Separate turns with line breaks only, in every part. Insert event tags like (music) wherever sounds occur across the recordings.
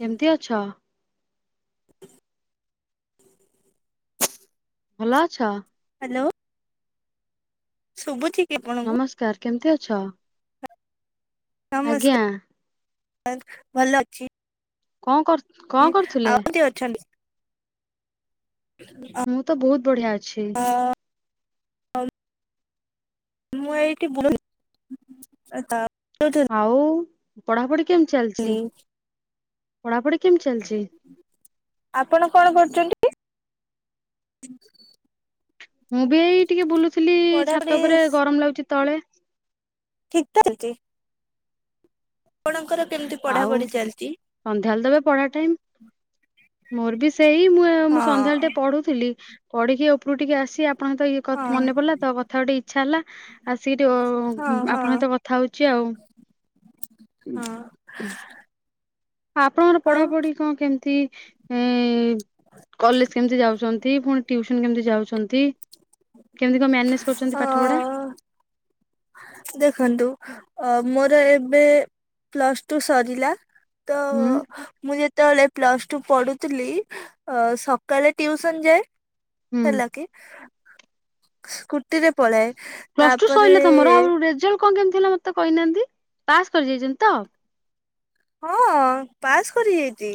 କେମିତି ଅଛ।
(inaudible)
ଭଲ ଅଛ।
ହ୍ୟାଲୋ ଶୁଭୁଛି କି ଆପଣଙ୍କୁ
ନମସ୍କାର। କେମତି ଅଛ। ଆଜ୍ଞା।
ନମସ୍କାର ଭଲ ଅଛି।
କଣ କରୁ
ଆଉ କିଏ ଅଛନ୍ତି।
ମୁଁ ତ ବହୁତ ବଢିଆ ଅଛି।
ମୁଁ ଏଠି ବୁଲୁ ତା
ହଉ। ପଢାପଢି କେମତି ଚାଲଛି।
ଆପଣ କଣ କରୁଛନ୍ତି। (unintelligible)
ମୁଁ ବି ଏଇ ଟିକେ ବୁଲୁଥିଲି
ପଢାପଢି
ଛାତ ଉପରେ ଗରମ ଲାଗୁଛି ତଳେ।
(unintelligible) ଆପଣଙ୍କର କେମିତି
ଆଉ
ପଢାପଢି ଚାଲିଛି?
ସନ୍ଧ୍ୟାବେଳେ ଦେବେ ପଢା ଟାଇମ୍। ମୋର ବି ସେଇ ମୁଁ
ହଁ
ସନ୍ଧ୍ୟାବେଳେ ଟେ ପଢୁଥିଲି। ପଢିକି ଉପରୁକୁ ଟିକେ ଆସିଚି ଆଉ ଆପଣତ ଇଏ
ହଁ
ମନେ ପଡିଲା ତ କଥା ହ ଟିକେ ଇଚ୍ଛା ହେଲା।
ହଁ
ଆସିକିରି
ହଁ
ଆପଣଙ୍କତ କଥା ହଉଛି ଆଉ। ହୁଁ।
ହଁ
ଆପଣଙ୍କର
ଆଉ
ପଢାପଢି କଣ କେମିତି। କଲେଜ୍ କେମତି ଯାଉଛନ୍ତି? ପୁଣି ଟିଉସନ୍ କେମତି ଯାଉଛନ୍ତି? କେମିତି କଣ ମ୍ୟାନେଜ କରୁଛନ୍ତି
ଅ
ପାଠ ପଢା
ଦେଖନ୍ତୁ। ଅ ମୋର ଏବେ ପ୍ଲସ ଟୁ ସରିଲା। ତ
ହୁଁ
ମୁଁ ଯେତ କେତେବେଳେ ପ୍ଲସ ଟୁ ପଢୁଥିଲି ଅ ସକାଳେ ଟିଉସନ୍ ଯାଏ।
ହୁଁ
ହେଲା କିି।
ପ୍ଲସ ଟୁ
ତାପରେ
ସରିଲା ତମର ଆଉ ରେଜଲ୍ଟ କଣ କେମିତି ହେଲା। ମତ ତ କହିନାହାନ୍ତି ପାସ୍ କରି ଯାଇଛନ୍ତି ତ।
ହଁ ପାସ୍। କରିଯାଇଛି।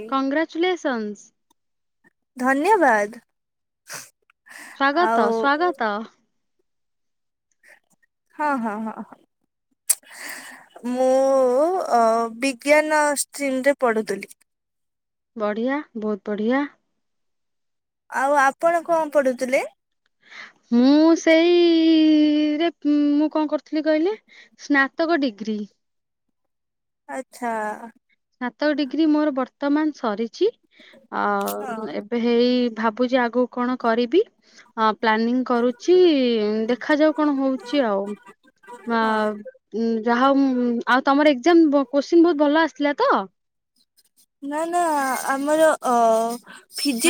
ସନ୍ସ୍।
ଧନ୍ୟବାଦ।
ସ୍ଵାଗତ
ଆଉ
ସ୍ଵାଗତ।
ହଁ ହଁ ହଁ ହଁ ମୁଁ ବିଜ୍ଞାନ ଷ୍ଟ୍ରିମ୍ ରେ ପଢୁଥିଲି
ବଢିଆ ବହୁତ ବଢିଆ
ଆଉ ଆପଣ କଣ ପଢୁଥିଲେ?
ମୁଁ ସେଇରେ ମୁଁ କଣ କରୁଥିଲି କହିଲେ ସ୍ନାତକ ଡିଗ୍ରୀ
ଆଚ୍ଛା
ସ୍ନାତକ ଡିଗ୍ରୀ ମୋର ବର୍ତ୍ତମାନ ସରିଛି
ହଁ।
ଆଉ ଏବେ ହେଇ ଭାବୁଛି ଆଗକୁ କଣ କରିବି, ଅ ପ୍ଲାନିଂ କରୁଛି, ଦେଖାଯାଉ କଣ ହଉଛି ଆଉ ଆଁ
ହଁ।
ମଁ ଯାହା ହଉ ମଁ ଆଉ ତମର ଏଗ୍ଜାମ ଵ କୋଶ୍ଚିନ ବହୁତ ଭଲ ଆସିଥିଲା ତ
ନା ନା ଆମର ଅ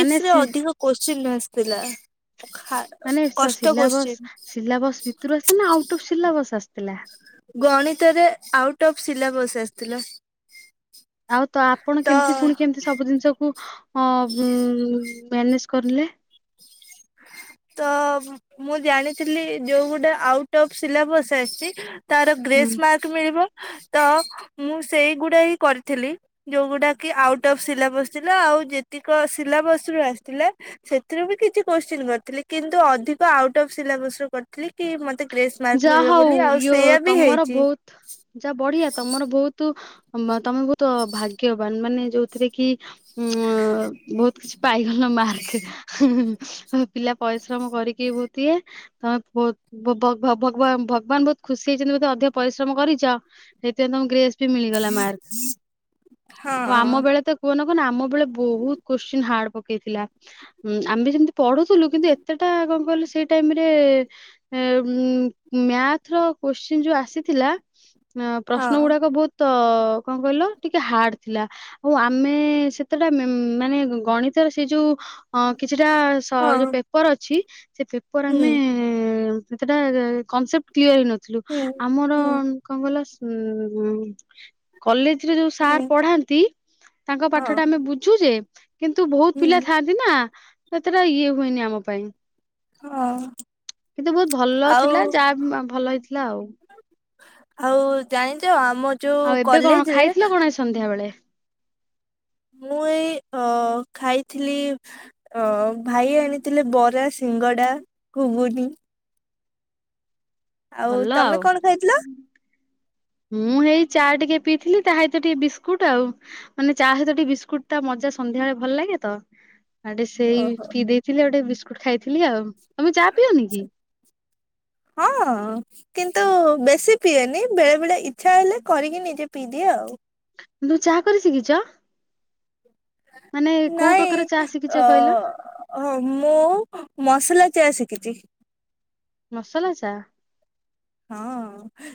ମାନେ
ରେ
ସି
ଅଧିକ କୋଶ୍ଚିନ୍ ଆସେ ଥିଲା
ମାନେ ସିଲାବସ୍ ସିଲାବସ୍ ଭିତରୁ ଆସେ ନା ଆଉଟ ଅଫ୍ ସିଲାବସ୍ ଆସେ ପିଲା
ଗଣିତରେ ଆଉଟ୍ ଅଫ୍ ସିଲାବସ୍ ଆସିଥିଲା
ଆଉ ତ ଆପଣ କେମିତି ପୁଣି କେମିତି ସବୁ ଜିନିଷକୁ ଅ ମ୍ୟାନେଜ୍ କରିଲେ
ତ ମୁଁ ଜାଣିଥିଲି ଯୋଉ ଗୋଟେ ଆଉଟ ଅଫ୍ ସିଲାବସ୍ ଆସିଛି ତାର
ହୁଁ।
ଗ୍ରେସ୍ ମାର୍କ ମିଳିବ ତ ତା ମୁଁ ସେଇଗୁଡା ହିଁ କରିଥିଲି ଯୋଉଗୁଡାକ ଆଉଟ ଅଫ୍ ସିଲାବସ ଥିଲା ଆଉ ଯେତିକ ସିଲାବସ ରୁ ଆସିଥିଲା ସେଥିରୁ ବି କିଛି କୋଶ୍ଚିନ୍ କରିଥିଲି କିନ୍ତୁ ଅଧିକ ଆଉଟ୍ ଅଫ୍ ସିଲାବସ ର କରିଥିଲି କି ମତେ ଗ୍ରେସ୍ ମାର୍କ
ଯାହା
ମିଳିବ
ହଉ
ବୋଲି ଆଉ
ଇୟୋ
ସେଇୟା ବି
ତମର
ହେଇଛି
ବହୁତ ଯା ବଢିଆ ତମର ବହୁତ ତମେ ବହୁତ ଭାଗ୍ୟବାନ ମାନେ ଯୋଉଥିରେ କି ହଁ ବହୁତ କିଛି ପାଇଗଲ ମାର୍କ ହହ ପିଲା ପଇସା ପରିଶ୍ରମ କରିକି ବଉଥିବେ (unintelligible) ବବତ ଭ ଭଗବାନ ଭଗବାନ ବହୁତ ଖୁସି ହେଇଛନ୍ତି ବୋଧେ ଅଧିକ ପରିଶ୍ରମ କରିଛ ସେଇଥିପାଇଁ ତମ ଗ୍ରେସ ମିଳିଗଲା ମାର୍କ
ହଁ
ଆଉ ଆମ ବେଳେ ତ କୁହନ କୁହନ ଆମ ବେଳେ ବହୁତ କୋଶ୍ଚିନ ହାର୍ଡ ପ ପକେଇଥିଲା ଆମେ ଯେମିତି ପଢୁଥିଲୁ କିନ୍ତୁ ଏତେଟା କଣ କହିଲ ସେ ଟାଇମରେ ଉ ମ୍ୟାଥ ର କୋଶ୍ଚିନ୍ ଯୋଉ ଆସିଥିଲା ପ୍ରଶ୍ନ
ହଁ
ଗୁଡାକ ବହୁତ ତ କଣ କହିଲ ଟିକେ ହାର୍ଡ ଥିଲା ଆଉ ଆମେ ସେତେଟା ମାନେ ଗଣିତ ର ସେ ଯୋଉ ଅ କିଛିଟା ଯୋଉ
ହଁ
ପେପର ଅଛି ସେ ପେପର
ହୁଁ
ଆମେ ସେତେଟା କନସେପ୍ଟ କ୍ଲିୟର ହେଇ ନଥିଲୁ
ହୁଁ
ଆମର
ହୁଁ
କଣ କହିଲ ହୁଁ କଲେଜ ଯୋଉ
ହୁଁ
ସାର୍ ପଢାନ୍ତି ତାଙ୍କ ପାଠ ଟା
ହଁ
ଆମେ ବୁଝୁ ଯେ (inaudible) କିନ୍ତୁ ବହୁତ
ହୁଁ
ପିଲା ଥାଆନ୍ତି ନା। ସେତେଟା ଇଏ ହୁଏନି ଆମ ପାଇଁ।
ହଁ।
କିନ୍ତୁ ବହୁତ ଭଲ
ଆଉ
ଥିଲା ଯାହା ଭଲ ହେଇଥିଲା ଆଉ।
ଆଉ ଜାଣିଛ ଆମ ଯୋଉ
ଆଉ ଏବେ କଣ
କଲେଜରେ
ଖାଇଥିଲ କଣ ଏ ସନ୍ଧ୍ୟା ବେଳେ?
ମୁଁ ଏଇ ଅ ଖାଇଥିଲି ଭାଇ ଆଣିଥିଲି ବରା, ସିଙ୍ଗଡ଼ା, ଘୁଗୁନି। ଆଉ ତମେ କଣ ଖାଇଥିଲ?
ମୁଁ ଏଇ ଚା ଟିକେ ପିଇଥିଲି ତା ସହିତ ଟିକେ ବିସ୍କୁଟ ଆଉ ମାନେ ଚା ସହିତ ଟିକେ ବିସ୍କୁଟ ତା ମଜା ସନ୍ଧ୍ୟାବେଳେ ଭଲ ଲାଗେ ତ। ଆଡେ ସେଇ
ଓହୋ
ପି ଦେଇଥିଲେ ଗୋଟେ ବିସ୍ ଖାଇଥିଲି ଆଉ ତଁ ଚା
(inaudible)
ପିଅନି କି?
ହଁ। କିନ୍ତୁ ବେଶୀ ପିଏନି ବେଳେ ବେଳେ ଇଚ୍ଛା ହେଲେ କରିକି ନିଜେ ପିଇଦିଏ ଆଉ।
ତୁମେ ଚାହା କରି ଶିଖିଛ? ମାନେ କୋଉ ପ୍ରକାର ଚା
ନାଇଁ
ଶିଖିଛ କହିଲ?
ଅ ମୁଁ ମସଲା ଚେୟା ଶିକିିଛି।
ମସଲା ଚା।
ହଁ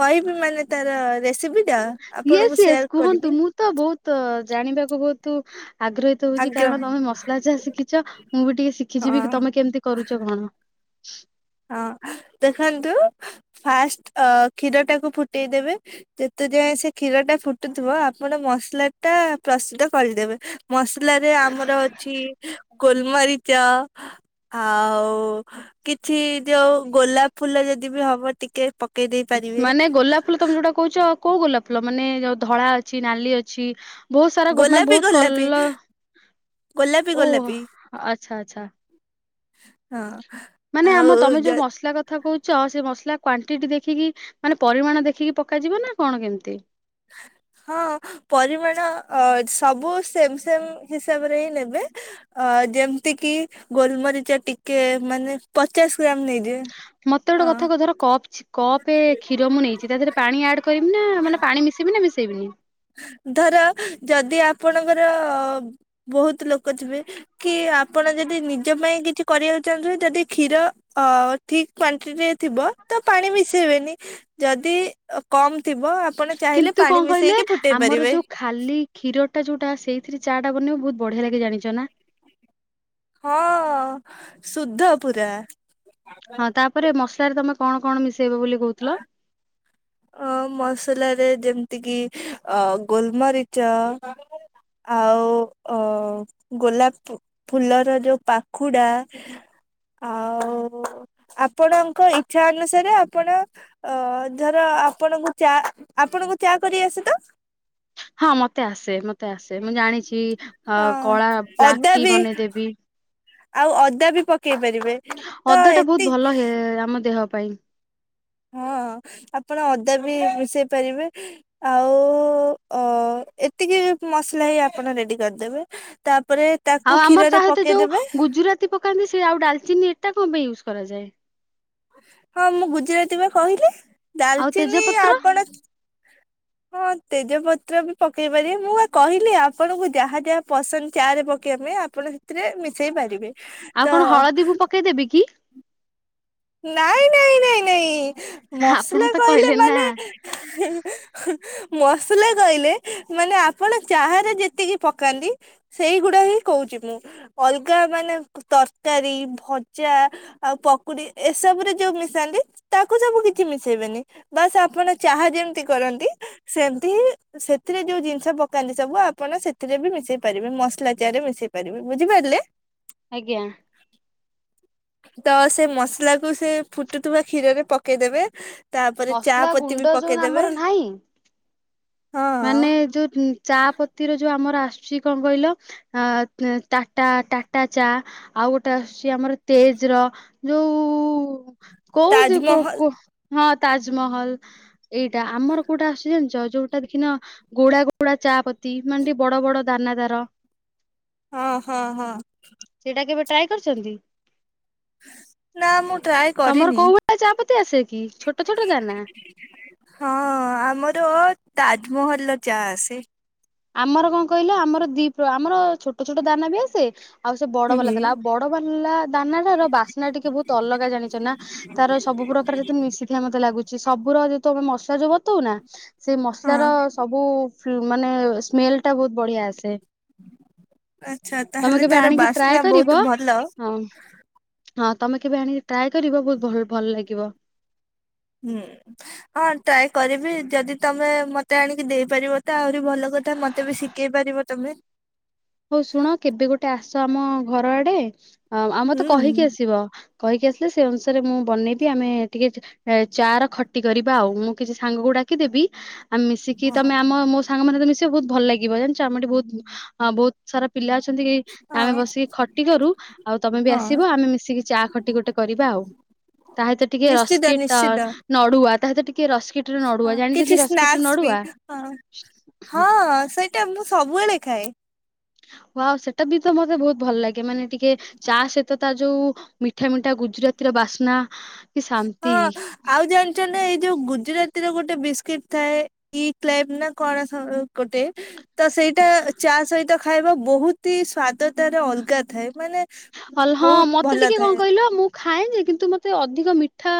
କହିବି ମାନେ ତାର ରେସିପି ଟା ଆପଣଙ୍କୁ
ୟସ୍ ୟେସ୍
ସେୟାର
କୁହନ୍ତୁ
କରିବି
ମୁଁ ତ ବହୁତ ଜାଣିବାକୁ ବହୁତ ତୁ ଆଗ୍ରହୀତ ହଉଛି
ଆଜ୍ଞା
କାରଣ ତମେ ମସଲା ଯାହା ଶିଖିଛ ମୁଁ ବି ଟିକେ
ହଁ
ଶିଖିଯିବି କି ତମେ କେମିତି କରୁଛ କଣ। (inaudible)
ହଁ। ଏଠି ଯୋଉ ଗୋଲାପ ଫୁଲ ଯଦି ବି ହବ ଟିକେ ପକେଇ ଦେଇ ପାରିବେ।
ମାନେ ଗୋଲାପ ଫୁଲ ତମେ ଯୋଉଟା କହୁଛ କୋଉ ଗଲାପ ଫୁଲ ମାନେ ଯୋଉ ଧଳା ଅଛି ନାଲି ଅଛି। ବହୁତ ସାରା ଗୋମା
ଗୋଲାପୀ
ବହୁତ
ଗୋଲାପୀ
କଲ
ଗୋଲାପୀ
ଓ
ଗୋଲାପୀ
ଆଛା ଆଛା।
ହଁ।
ମାନେ
ଆଉ
ଆମ ତମେ ଯୋଉ
ଯ
ମସଲା କଥା କହୁଛ ସେ ମସଲା କ୍ଵଣ୍ଟିଟି ଦେଖିକି ମାନେ ପରିମାଣ ଦେଖିକି ପକାଯିବ ନା କଣ କେମିତି?
ହଁ ପରିମାଣ ସବୁ ସେମ ସେମ ହିସାବରେ ହିଁ ନେବେ ଅ ଯେମିତି କିି ଗୋଲମରିଚ ଟିକେ ମାନେ ପଚାଶ ଗ୍ରାମ ନେଇଯିବେ।
ମତେ ଗୋଟେ
ହଁ।
କଥା କହୁ ଧର କପ କପ୍ ଏ କ୍ଷୀର ମୁଁ ନେଇଛି ତା ଦେହରେ ପାଣି ଆଡ କରିବି ନା ମାନେ ପାଣି ମିଶେଇବି ନା ମିଶେଇବି? ହୁଁ।
ଧର ଯଦି ଆପଣଙ୍କର ବହୁତ ଲୋକ ଥିବେ କି ଆପଣ ଯଦି ନିଜ ପାଇଁ କିଛି କରିବାକୁ ଚାହୁଁ ଯଦି କ୍ଷୀର ଅ ଠିକ କ୍ୟାଣ୍ଟିଟି ଥିବ ତ ପାଣି ମିଶେଇବେନି ଯଦି କମ ଥିବ ଆପଣ ଚାହିଁଲେ
କିନ୍ତୁ
ପାଣି
କଣ କହିଲେ
ମିଶେଇକି ଫୁ
ଆମର ଯୋଉ ଖାଲି କ୍ଷୀରଟା ଯୋଉଟା ସେଇଥିରେ ଚା ଟା ବନେଇ ବହୁତ ବଢିଆ ଲାଗି ଜାଣିଛ ନା?
ହଁ ଶୁଦ୍ଧ ପୁରା।
ହଁ ତାପରେ ମସଲାରେ ତମେ କଣ କଣ ମିଶେଇବ ବୋଲି କହୁଥିଲ?
ଅ ମସଲାରେ ଯେମିତି କିି ଅ ଗୋଲମରିଚ ଆଉ ଅ ଗୋଲାପ ଫୁଲର ଯୋଉ ପାଖୁଡା ଆଉ ଆପଣଙ୍କ ଇଚ୍ଛା ଅନୁସାରେ ଆପଣ ଅ ଆପଣଙ୍କୁ ଚା ଆପଣଙ୍କୁ ଚା କରି ଆସ ତ?
ହଁ ମତେ ଆସେ ମତେ। ମତେ ଆସେ ମୁଁ ଜାଣିଛି
ହଁ
କଳା ବ୍ଲାକ୍
ଅଦା
ଟି
ବି
ବନେଇଦେବି।
ଆଉ ଅଦା ବି ପକେଇ ପେଇ ପାରିବେ ତ
ଅଦା ଟା ବହୁତ ଭଲ
ଏତିକ
ହେ ଆମ ଦେହ ପାଇଁ
ହଁ ଆପଣ ଅଦା ବି ମିଶେଇ ପାରିବେ ଆଉ ଅ ଏତିକି ମସଲା ହି ଆପଣ ରେଡି କରିଦେବେ ତା
ଆଉ ଆମର ସହିତ ଯୋଉ ଗୁଜୁରାତି ପକାନ୍ତି ସେ ଆଉ ଡାଲଚିନି ଏଟା ୟୁଜ୍ କରାଯାଏ।
ହଁ ମୁଁ ଗୁଜୁରାତି ବା କହିଲି।
ଆଉ
ଡାଲଚିନି
ତେଜପତ୍ର
ଆପଣ ହଁ ତେଜପତ୍ର ବି ପକେଇ ପାରିବେ ମୁଁ କହିଲି ଆପଣଙ୍କୁ ଯାହା ଯାହା ପସନ୍ଦ ତା ରେ ପକେଇବା ପାଇଁ ଆପଣ ସେଥିରେ। ହେଇପାରିବେ
ଆଉ
ତ
କଣ ହଳଦୀ ମୁଁ ପକେଇଦେବି କି
ନାଇଁ ନାଇଁ ନାଇଁ ନ
ଆପଣ
ମସଲା
ତ
କହିଲେ
ନା।
ମାନେ ମସଲା କହିଲେ ମାନେ ଆପଣ ଚାହାରେ ଯେତିକି ପକାନ୍ତି ସେଇଗୁଡ଼ା ହିଁ କହୁଛି ମୁଁ ଅଲଗା ମାନେ ତରକାରୀ ଭଜା ଆଉ ପକୁଡ଼ି ଏସବୁରେ ଯୋଉ ମିଶାନ୍ତି ତାକୁ ସବୁ କିଛି ମିଶେଇବେନି ବାସ୍ ଆପଣ ଚାହା ଯେମତି କରନ୍ତି ସେମିତି ହି ସେଥିରେ ଯୋଉ ଜିନିଷ ପକାନ୍ତି ସବୁ ଆପଣ ସେଥିରେ ବି ମିଶେଇ ପାରିବେ ମସଲା ଚାହା ରେ ମିଶେଇ ପାରିବେ ବୁଝିପାରିଲେ।
ଆଜ୍ଞା।
ତ ସେ ମସଲା କୁ ସେ ଫୁଟୁଥିବା କ୍ଷୀରରେ ପକେଇଦେବେ ତାପରେ ଚା
ମସଲା
ପତି
ଗୁଣ୍ଡ
ବି
ଯୋଉ ଆମର
ପକେଇଦବେ।
ନାହିଁ ମାନେ ଯୋଉ ଚା ପତିର ଯୋଉ ଆମର ଆସୁଛି କଣ କହିଲ ଅଟା ଟାଟା ଚା ଆଉ ଗୋଟେ ଆସୁଛି ଆମର ତେଜ ର ଯୋଉ କହୁଛି କ
ତାଜମହଲ
କୁହ ହଁ ତାଜମହଲ ଏଇଟା ଆମର କୋଉଟା ଆସୁଛି ଜାଣିଛ ଯୋଉ ଟା ଦେଖିନ ଗୋଡା ଗୋଡା ଚା ପ ତି ମାନେ ଟିକେ ବଡ ବଡ ଦାନା ତାର
ହଁ ହଁ ହଁ।
ସେଇଟା କେବେ ଟ୍ରାଏ କରିଛନ୍ତି?
ନା ମୁଁ ଟ୍ରାଏ
ତମର
କରିନି
କୋଉ ଭଳିଆ ଚାପତି ଆସେ କି ଛୋଟ ଛୋଟ ଦାନା ।
ତ ତାଜମହଲର ଚା ଆସେ।
ଆମର କଣ କହିଲ ଆମର ଦିପ୍ର ଆମର ଛୋଟ ଛୋଟ ଦାନା ବି ଆସେ ଆଉ ସେ ବଡ ବାଲା
ହୁଁ।
ଦେଲା ଆଉ ବଡ ବାଲା ଦାନାଟାର ବାସ୍ନା ଟିକେ ବହୁତ ଅଲଗା ଜାଣିଛ ନା ତାର ସବୁ ପ୍ରକାର ଯେତେ ମିଶିଥିବା ମତେ ଲାଗୁ ସେ ସବୁର ର ଯଦି ତମେ ମସା ଯୋଉ ବତଉନା ସେ
ହଁ
ମସଲାର ସବୁ ମାନେ ସ୍ମେଲ ଟା ବହୁତ ବଢିଆ ଆସେ।
ଆଚ୍ଛା
ତମେ
ତାହେଲେ
କେବେ
ତାର
ଆଣିକି ଟ୍ରାଏ
ବାସ୍ନା
କରିବ
ବହୁତ ଭଲ।
ହଁ ହଁ ତମେ କେବେ ଆଣିକି ଟ୍ରାଏ କରିବ ବହୁତ ଭଲ୍ ଭଲ ଲାଗିବ।
ହୁଁ ହଁ ଟ୍ରାଏ କରିବି ଯଦି ତମେ ମତେ ଆଣିକି ଦେଇପାରିବ ତ ଭଲ କଥା ମତେ ବି ଶିଖେଇ ପାରିବ ତମେ ।
ହଉ ଶୁଣ କେବେ ଗୋଟେ ଆସ ଆମ ଘର ଆଡେ ହଁ ଆଉ ମତେ କହିକି
ହୁଁ।
ଆସିବ କହିକି ଆସିଲେ ସେ ଅନୁସାରେ ମୁଁ ବନେଇବି ଆମେ ଟିକେ ଚା ର ଖଟି କରିବା ଆଉ ମୁଁ କିଛି ସାଙ୍ଗକୁ ଡାକିଦେବି ଆମେ ମିଶିକି
ହଁ
ତମେ ଆମ ମୋ ସାଙ୍ଗମାନଙ୍କ ସହିତ ମିଶିବ ବହୁତ ଭଲ ଲାଗିବ ଜାଣିଛ ଆମେ ଏଠି ବହୁତ ହଁ ବହୁତ ସାରା ପିଲା ଅଛନ୍ତି କି ଆମେ
ହଁ
ବସିକି ଖଟି କରୁ ଆଉ ତମେ ବି
ହଁ
ଆସିବ ଆମେ ମିଶିକି ଚା ଖଟି ଗୋଟେ କରିବା ଆଉ ତା ସହିତ ଟିକେ
ନିଶ୍ଚିତ
ରସ୍କିଟ
ନିଶ୍ଚିତ
ନଡୁଆ ତାସହିତ ଟିକେ ରସ୍କିଟ ରେ
ହଁ
ନଡୁଆ ଜାଣିଛନ୍ତି
କିଛି
ରସ୍କିଟ ରେ
ସ୍ନାକ୍ସ ବି
ନଡୁଆ?
ହଁ ହଁ ସେଇଟା ମୁଁ ସବୁବେଳେ ଖାଏ।
ୱାଓ ସେ ଟା ବି ତ ମତେ ବହୁତ ଭଲ ଲାଗେ। ମାନେ ଟିକେ ଚା ସହିତ ତା ଯୋଉ ମିଠା ମିଠା ଗୁଜୁରାତିର ବାସ୍ନା କି
ହଁ
ଶାନ୍ତି
ଆଉ ଜାଣିଛନ୍ତି ନା ଏଇ ଯୋଉ ଗୁଜୁରାତି ତିର ଗୋଟେ ବିସ୍କିଟ ଥାଏ। ଇ ଟାଇମ୍ ନା କଣ ଗୋଟେ ତ ସେଇଟା ଚା ସହିତ ଖାଇବା ବହୁତ ହି ସ୍ଵାଦ ତାର ଅଲଗା ଥାଏ ମାନେ
ଅଲ ହଁ
ବହୁତ
ମତେ
ଭଲ
ଟିକେ କଣ
ଥାଏ
କହିଲ ମୁଁ ଖାଏନି କିନ୍ତୁ କିନ୍ତୁ ମତେ ଅଧିକ ମିଠା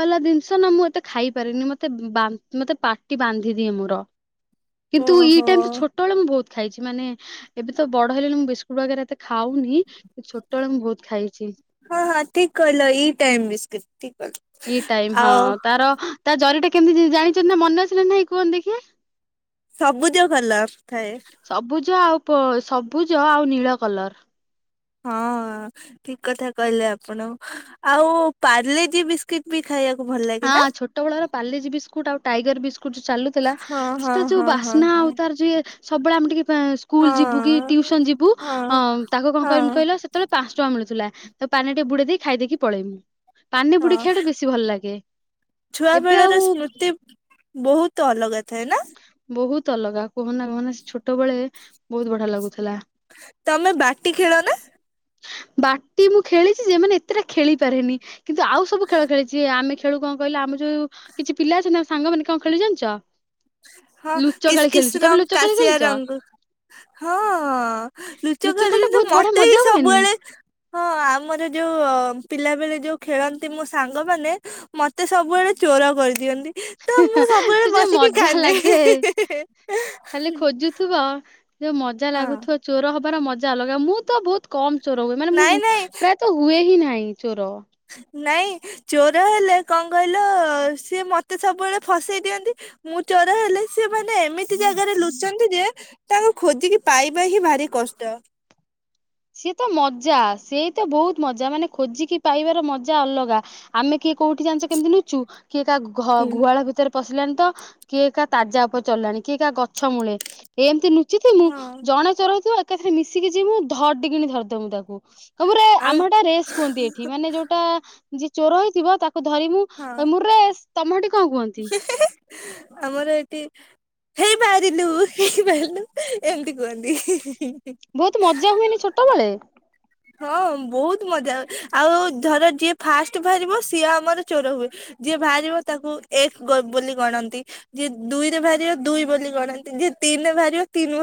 ବାଲା ଜିନିଷ ନା ମୁଁ ଏତେ ଖାଇପାରିନି। ମତେ ବା ମତେ ପାଟି ବାନ୍ଧିଦିଏ ମୋର। କିନ୍ତୁ ଇ
ଓହୋ
ଟାଇମ ତ ଛୋଟବେଳେ ମୁ ବହୁ ଖାଇଛି ମାନେ ଏବେ ତ ବଡ ହେଇଲେଣି ମୁଁ ବିସ୍କୁଟ ବଗେରା ଏତେ ଖାଉନି। ଛୋଟବେଳେ ମୁଁ ବହୁତ ଖାଇଛି
ହଁ ହଁ ଠିକ କହିଲ ଇ ଟାଇମ ବିସ୍କିଟ ଠିକ କହିଲ
ଇ ଟାଇମ
ଆଉ
ହଁ ତାର ତା ଜରି ଟା କେମିତି-ତି-ତି ଜାଣିଛନ୍ତି ନା ମନେ ଅଛି ନା ନାଇଁ କୁହନ୍ତି ଦେଖିଆ
ସବୁଜ କଲର ଥାଏ।
ସବୁଜ ଆଉ ପ ସବୁଜ ଆଉ ନୀଳ କଲର।
ହଁ ଠିକ କଥା କହିଲେ ଆପଣ। ଆଉ ପାର୍ଲେଜି ବିସ୍କିଟ ବି ଖାଇବାକୁ ଭଲ ଲାଗେ ନା
ହଁ ଛୋଟ ବେଳର ପାଲେଜି ବିସ୍କୁଟ ଆଉ ଟାଇଗର ବିସ୍ କୁଟ ଯୋଉ ଚାଲୁଥିଲା।
ହଁ ହଁ
ସେଟା ଯୋଉ
ହଁ ହଁ
ବାସ୍ନା
ହଁ
ଆଉ ତାର ଯିଏ ସବୁବେଳେ ଆମ ଟିକେ ଏ ସ୍କୁଲ
ହଁ
ଯିବୁ କି ଟିଉସନ ଯିବୁ
ହଁ
ଅ ତାକୁ କଣ କରମି
ହଁ
କହିଲ ସେତେବେଳେ ପାଞ୍ଚ ଟଙ୍କା ମିଳୁଥିଲା। ତାକୁ ପାନିରେ ଟିକେ ବୁଡେଇ ଦେଇ ଖାଇ ଦେଇେଇକି ପଳେଇମି।
ହଁ
ପାନିବୁଡ଼େଇ ଖାଇବା ଟା ବେଶୀ ଭଲ ଲାଗେ।
ଛୁଆ
ଏବେ ଆଉ
ବେଳର ସ୍ମୃତି, ବହୁତ ଅଲଗା ଥି
ହୁଁ। ବହୁତ ଅଲଗା କୁହନା କୁହନା ଛୋଟ ବେଳେ ବହୁତ ବଢିଆ ଲାଗୁଥିଲା।
ତମେ ବାଟି ଖେଳ ନା
ବାଟି ମୁଁ ଖେଳିଛି ଯେ ମାନେ ଏତେଟା ଖେଳି ପାରେନି। କିନ୍ତୁ ଆଉ ସବୁ ଖେଳ ଖେଳିଛି। ଆମେ ଖେଳୁ କଣ କହିଲ ଆମର ଯୋଉ କିଛି ପିଲା ଅଛନ୍ତି ତାଙ୍କ ସାଙ୍ଗମାନେ କଣ ଖେଳି ଜାଣିଛ
ହଁ କିସ୍
ଲୁଚକାଳି
କିସ୍
ଖେଳିଛୁ ତମେ
ରଙ୍ଗ
ଲୁଚକାଳି
କାଶଆ
ଖେଳିଛ?
ରଙ୍ଗ, ହଁ
ଲୁଚ
ଲୁଚକାଳି
ଖେଳ ଟା
କିନ୍ତୁ
ବହୁତ ବଢିଆ
ମତେ ବି
ମଜା ହୁଏନି
ସବୁବେଳେ, ହଁ ଆମର ଯୋଉ ପିଲା ବେଳେ ଯୋଉ ଖେଳନ୍ତି ମୋ ସାଙ୍ଗମାନେ ମତେ ସବୁବେଳେ ଚୋର କରିଦିଅନ୍ତି। ତ ମୁଁ ସବୁବେଳେ
ସେ ଯୋଉ
ବସିକି
ମଜ ଯାହା
କାନ୍ଦେ
ଲାଗେ, ଖାଲି ଖୋଜୁଥିବ। ଯୋଉ ମଜା
ହଁ
ଲାଗୁଥିବ ଚୋର ହବ ତାର ମଜା ଅଲଗା ମୁଁ ତ ବହୁତ କମ ଚୋର ହୁଏ ମାନେ
ନାଇଁ
ମୁଁ
ନାଇଁ
ପ୍ରାୟତ ହୁଏ ହିଁ ନାହିଁ। ଚୋର।
ନାଇଁ ଚୋର ହେଲେ କଣ କହିଲ ସିଏ ମତେ ସବୁବେଳେ ଫସେଇ ଦିଅନ୍ତି। ମୁଁ ଚୋର ହେଲେ ସିଏ ମାନେ ଏମିତି ଜାଗାରେ ଲୁଚନ୍ତି ଯେ ତାଙ୍କୁ ଖୋଜିକି ପାଇବା ହିଁ ଭାରି କଷ୍ଟ।
ସି ତ ମଜା ସେଇତ ବହୁତ ମଜା ମାନେ ଖୋଜିକି ପାଇବାର ମଜା ଅଲଗା। ଆମେ କିଏ କୋଉଠି ଜାଣିଛ କେମିତି ନୁଚୁ? କିଏ କା ଘ
ହୁଁ।
ଗୁହାଳ ଭିତରେ ପଶିଲାଣି ତ କିଏ କାହା ତାଜା ଉପରେ ଚଲଲାଣି କିଏ କାହା ଗଛ ମୂଳେ ଏମିତି ନ ମୁଁ
ହଁ
ଜଣେ ଚରଇଥିବା କଥା ମିଶିକି ଯିମୁଁ ଧଡ଼ କିଣି ଧରିଦ ମୁଁ ତାକୁ ତାପରେ
ଆଉ
ଆମର ଏଟା ରେସ୍ କୁହନ୍ତି ଏଠି ମାନେ ଯୋଉଟା ଯିଏ ଚୋର ହେଇଥିବ ତା ଧରି ମୁୁ
ହଁ
ମୁ ରେ ତମ କଣ କୁହନ୍ତି
ଆମର ଏଠି ହେଇପାରିଲୁ ହେଇପାରିଲୁ ଏମିତି କୁହନ୍ତି।
ବହୁତ ମଜା ହୁଏନି ଛୋଟବେେଳେ।
ହଁ ବହୁତ ମଜା ହ ଆଉ ଧର ଯିଏ ଫାଷ୍ଟ ବାହାରିବ ସିଏ ଆମର ଚୋର ହୁଏ ଯିଏ ବାହାରିବ ତାକୁ ଏକ ବୋଲି ଗଣନ୍ତି, ଯିଏ ଦୁଇରେ ବାହାରିବ ଦୁଇ ବୋଲି ଗଣନ୍ତି, ଯିଏ ତିନିରେ ବାହାରିବ, ତିନି